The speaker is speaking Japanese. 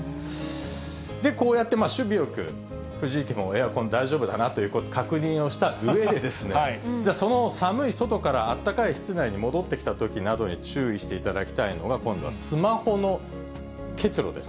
こうやって首尾よく藤井家のエアコン大丈夫だなということを確認をしたうえでですね、じゃあ、その寒い外からあったかい室内に戻ってきたときなどに注意していただきたいのが、今度はスマホの結露です。